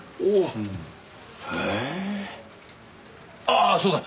あっそうだ。